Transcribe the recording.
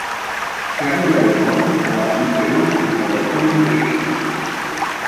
Kern der Reform war die Trennung von Verwaltung und Rechtsprechung.